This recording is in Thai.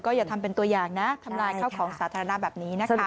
อย่าทำเป็นตัวอย่างนะทำลายข้าวของสาธารณะแบบนี้นะคะ